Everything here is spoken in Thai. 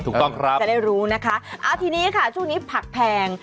ถูกต้องครับจะได้รู้นะคะอ่าทีนี้ค่ะช่วงนี้ผักแพง